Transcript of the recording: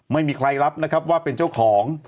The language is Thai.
ไม่มีใครรับนะครับว่าเป็นเจ้าของ